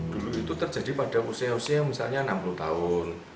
dulu itu terjadi pada usia usia misalnya enam puluh tahun